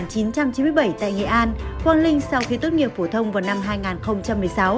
năm một nghìn chín trăm chín mươi bảy tại nghệ an quang linh sau khi tốt nghiệp phổ thông vào năm hai nghìn một mươi sáu